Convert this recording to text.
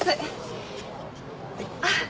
はい。